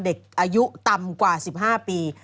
เด็กอายุต่ำกว่าสิบห้าปี